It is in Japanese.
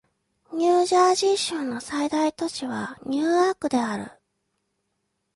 ニュージャージー州の最大都市はニューアークである